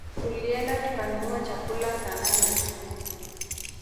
Tulienda tukanunua chakula saa nane usiku